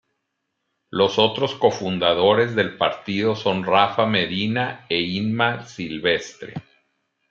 Los otros cofundadores del partido son Rafa Medina e Inma Silvestre.